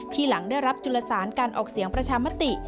หลังได้รับจุลสารการออกเสียงประชามติ